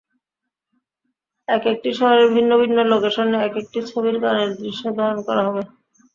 একেকটি শহরের ভিন্ন ভিন্ন লোকেশনে একেকটি ছবির গানের দৃশ্য ধারণ করা হবে।